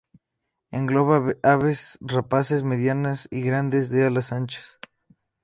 Engloba aves rapaces medianas y grandes de alas anchas.